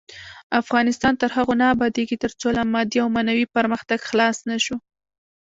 افغانستان تر هغو نه ابادیږي، ترڅو له مادي او معنوي پرمختګ خلاص نشو.